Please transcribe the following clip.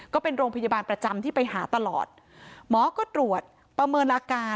ก็เป็นโรงพยาบาลประจำที่ไปหาตลอดหมอก็ตรวจประเมินอาการ